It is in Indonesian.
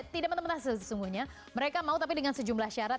tidak menemukan sesungguhnya mereka mau tapi dengan sejumlah syarat